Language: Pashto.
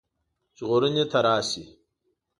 ژغورني ته راشي.